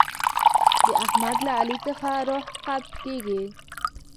د احمد له علي څخه روح قبض کېږي.